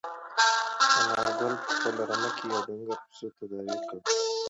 انارګل په خپله رمه کې یو ډنګر پسه تداوي کړ.